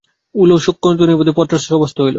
উলু-শঙ্খধ্বনির মধ্যে পাত্র সভাস্থ হইল।